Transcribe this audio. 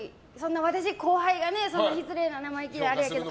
私、後輩が失礼な、生意気なあれやけど。